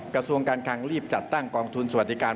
กระทรวงการคังรีบจัดตั้งกองทุนสวัสดิการ